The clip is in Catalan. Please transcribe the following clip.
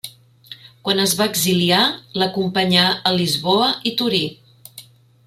Quan es va exiliar, l'acompanyà a Lisboa i Torí.